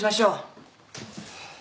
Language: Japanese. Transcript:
はい！